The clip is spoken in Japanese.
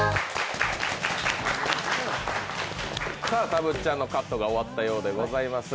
たぶっちゃんのカットが終わったようでございます。